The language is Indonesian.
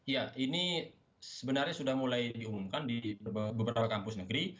ya ini sebenarnya sudah mulai diumumkan di beberapa kampus negeri